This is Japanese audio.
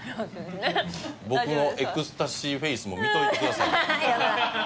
僕のエクスタシーフェイスも見といてくださいよ。